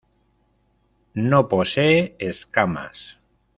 No posee escamas.